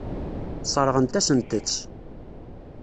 Sseṛɣen-asent-tt.